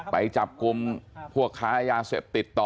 ไปจับกลุ่มพวกค้ายาเสพติดต่อ